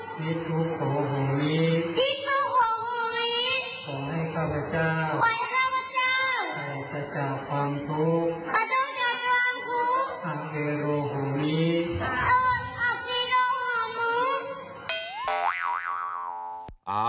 ภิกษุของมีศภิกษุของมีศ